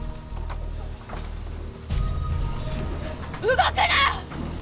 動くな！